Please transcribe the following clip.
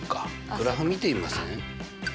グラフ見てみません？